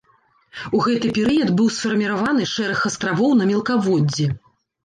У гэты перыяд быў сфарміраваны шэраг астравоў на мелкаводдзі.